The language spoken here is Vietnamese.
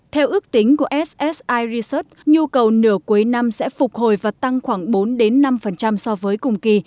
theo ước tính của ssi research nhu cầu nửa cuối năm sẽ phục hồi và tăng khoảng bốn năm so với cùng kỳ